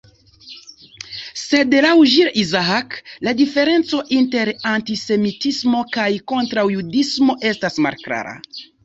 Sed laŭ Jules Isaac la diferenco inter "antisemitismo" kaj "kontraŭjudismo" estas malklara.